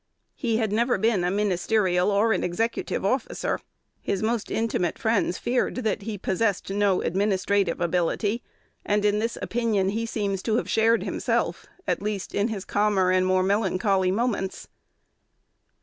He had never been a ministerial or an executive officer. His most intimate friends feared that he possessed no administrative ability; and in this opinion he seems to have shared himself, at least in his calmer and more melancholy moments.